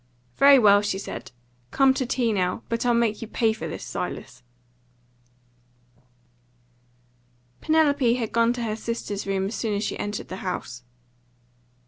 "Very well," she said, "come to tea now. But I'll make you pay for this, Silas." Penelope had gone to her sister's room as soon as she entered the house.